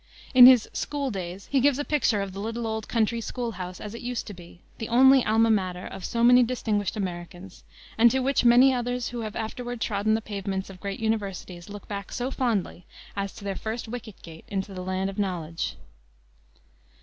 In his School Days he gives a picture of the little old country school house as it used to be, the only alma mater of so many distinguished Americans, and to which many others who have afterward trodden the pavements of great universities look back so fondly as to their first wicket gate into the land of knowledge.